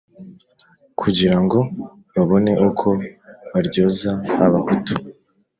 kugira ngo babone uko baryoza abahutu